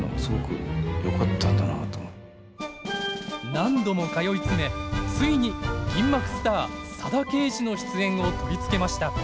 何度も通い詰めついに銀幕スター佐田啓二の出演を取り付けました。